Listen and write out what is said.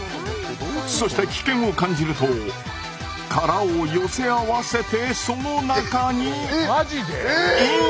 そして危険を感じると殻を寄せ合わせてその中にイン！